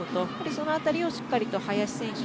そのあたりを、しっかりと林選手